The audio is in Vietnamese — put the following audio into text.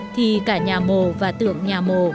thì cả nhà mồ và tượng nhà mồ